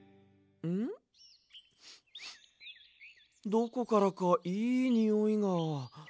どこからかいいにおいが。